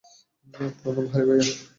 প্রণাম, হারি ভাইয়া।